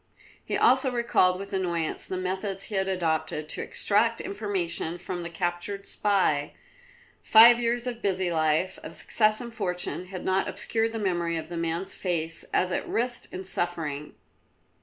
He also recalled with annoyance the methods he had adopted to extract information from the captured spy; five years of busy life, of success and fortune, had not obscured the memory of the man's face as it writhed in suffering.